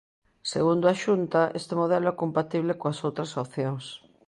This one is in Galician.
Segundo a Xunta, este modelo é compatible coas outras opcións.